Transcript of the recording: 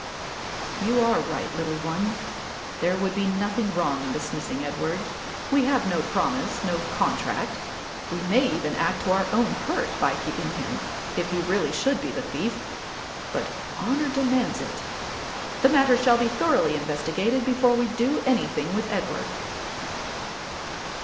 "You are right, little one; there would be nothing wrong in dismissing Edward; we have no promise, no contract: we may even act to our own hurt by keeping him, if he really should be the thief, but honour demands it. The matter shall be thoroughly investigated before we do anything with Edward."